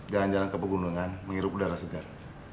jalan jalan ke pegunungan menghirup udara segar